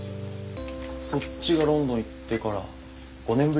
そっちがロンドン行ってから５年ぶり？